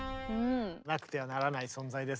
なくてはならない存在です